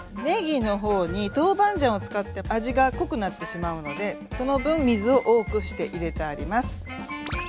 ねぎの方に豆板醤を使って味が濃くなってしまうのでその分水を多くして入れてあります。